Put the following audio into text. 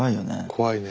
怖いね。